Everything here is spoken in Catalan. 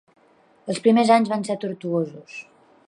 Els primers anys van ser tortuosos.